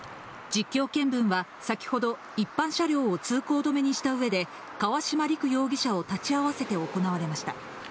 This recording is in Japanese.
実況見分は先ほど、一般車両を通行止めにしたうえで、川島陸容疑者を立ち会わせて行われました。